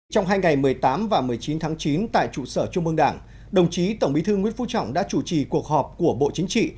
trong hai ngày một mươi tám và một mươi chín tháng chín tại trụ sở trung ương đảng đồng chí tổng bí thư nguyễn phú trọng đã chủ trì cuộc họp của bộ chính trị